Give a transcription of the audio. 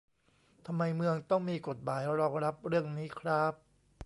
ทำไมเมืองต้องมีกฎหมายรองรับเรื่องนี้คร้าบ